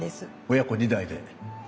親子２代で？